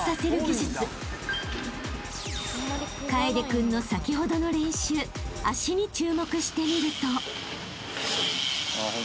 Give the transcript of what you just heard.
［楓君の先ほどの練習足に注目してみると］